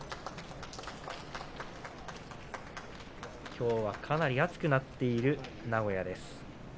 きょうはかなり暑くなっている名古屋です。